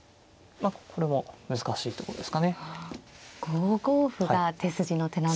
５五歩が手筋の手なんですね。